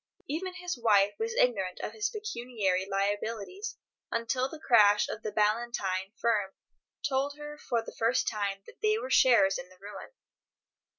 Even his wife was ignorant of his pecuniary liabilities until the crash of the Ballantyne firm told her for the first time that they were sharers in the ruin.